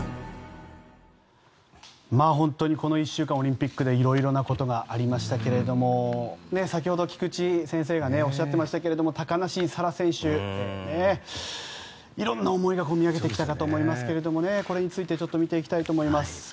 本当にこの１週間オリンピックで色々なことがありましたけれども先ほど菊地先生がおっしゃっていましたけど高梨沙羅選手、色んな思いが込み上げてきたかと思いますけどこれについて見ていきたいと思います。